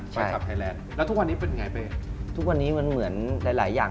แฟนคลับไทยแลนด์แล้วทุกวันนี้เป็นไงไปทุกวันนี้มันเหมือนหลายหลายอย่าง